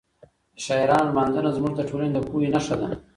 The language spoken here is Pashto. د شاعرانو لمانځنه زموږ د ټولنې د پوهې نښه ده.